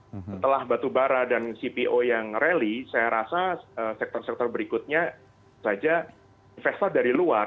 setelah batubara dan cpo yang rally saya rasa sektor sektor berikutnya saja investor dari luar